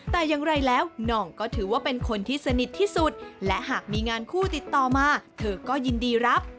แต่อย่างไรแล้วหน่องก็ถือว่าเป็นคนที่สนิทที่สุดและหากมีงานคู่ติดต่อมาเธอก็ยินดีรับ